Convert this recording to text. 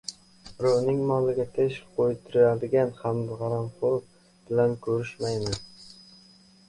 — Birovning moliga tish qo‘ydiradigan haromxo‘r bilan ko‘rishmayman!